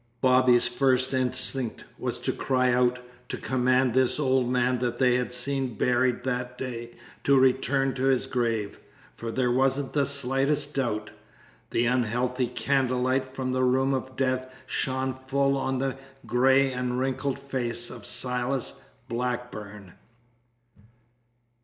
Bobby's first instinct was to cry out, to command this old man they had seen buried that day to return to his grave. For there wasn't the slightest doubt. The unhealthy candlelight from the room of death shone full on the gray and wrinkled face of Silas Blackburn.